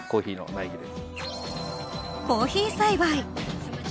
コーヒー栽培。